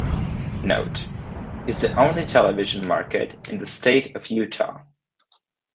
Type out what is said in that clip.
Note: is the only television market in the state of Utah.